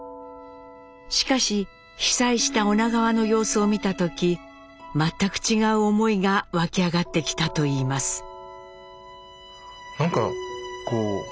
しかし被災した女川の様子を見た時全く違う思いが湧き上がってきたといいます。